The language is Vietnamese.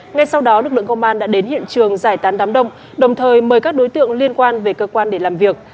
ngay sau đó lực lượng công an đã đến hiện trường giải tán đám đông đồng thời mời các đối tượng liên quan về cơ quan để làm việc